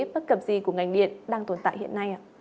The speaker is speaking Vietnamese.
bất cập gì của ngành điện đang tồn tại hiện nay ạ